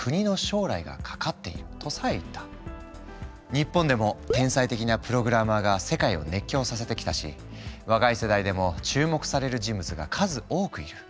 日本でも天才的なプログラマーが世界を熱狂させてきたし若い世代でも注目される人物が数多くいる。